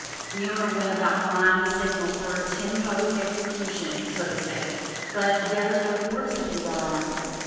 Tl^e owner went about flyin' the signal for 'attend public execution,' so to say, but there was no corpse at tH9 yard arm.